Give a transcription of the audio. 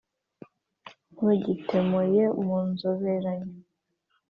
ntugitemoye mu nzoberanyo !